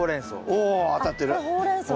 おお当たってる。